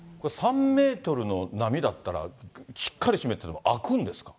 ３メートルの波だったら、しっかり閉めてても開くんですか。